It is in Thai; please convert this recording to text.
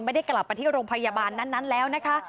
ไม่ได้กลับมาที่โรงพยาบาลนั้นแล้วนะคะ